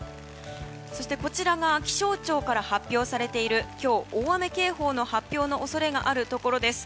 そして、こちらが気象庁から発表されている今日、大雨警報の発表の恐れがあるところです。